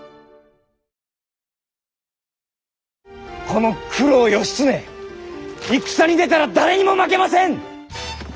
この九郎義経戦に出たら誰にも負けません！